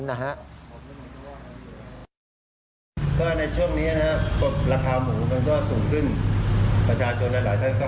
ก็ในช่วงนี้ราคาหมูมันก็สูงขึ้น